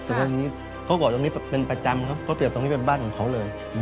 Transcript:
แต่ว่าอย่างนี้เขาก็บอกตรงนี้เป็นประจำครับเขาเปรียบตรงนี้เป็นบ้านของเขาเลย